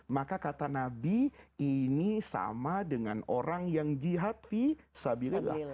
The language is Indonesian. maka kata nabi ini sama dengan orang yang jihad fi sabillah